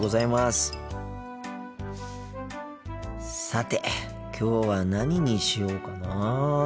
さてきょうは何にしようかな。